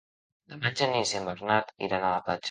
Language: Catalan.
Demà en Genís i en Bernat iran a la platja.